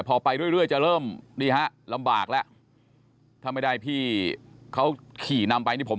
พอไปเรื่อยจะเริ่มนี่ฮะลำบากแล้วถ้าไม่ได้พี่เขาขี่นำไปนี่ผม